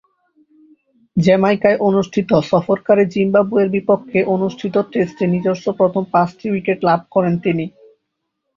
জ্যামাইকায় অনুষ্ঠিত সফরকারী জিম্বাবুয়ের বিপক্ষে অনুষ্ঠিত টেস্টে নিজস্ব প্রথম পাঁচ-উইকেট লাভ করেন তিনি।